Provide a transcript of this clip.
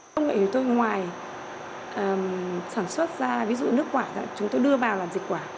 công nghệ chúng tôi ngoài sản xuất ra ví dụ nước quả chúng tôi đưa vào làm dịch quả